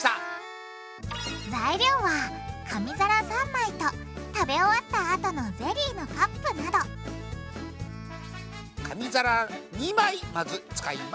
材料は紙皿３枚と食べ終わったあとのゼリーのカップなど紙皿２枚まず使います。